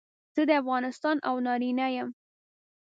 زه د افغانستان او نارینه یم.